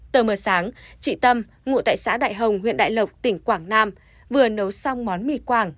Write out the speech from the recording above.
tờ mờ sáng chị tâm ngụ tại xã đại hồng huyện đại lộc tỉnh quảng nam vừa nấu xong món mì quảng